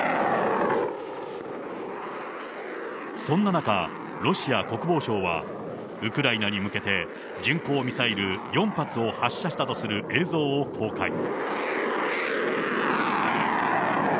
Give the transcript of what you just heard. そんな中、ロシア国防省は、ウクライナに向けて、巡航ミサイル４発を発射したとする映像を公開。